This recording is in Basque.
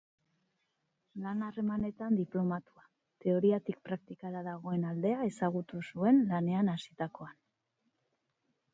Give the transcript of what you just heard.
Lan harremanetan diplomatua, teoriatik praktikara dagoen aldea ezagutu zuen lanean hasitakoan.